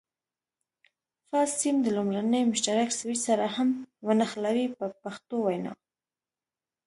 فاز سیم د لومړني مشترک سویچ سره هم ونښلوئ په پښتو وینا.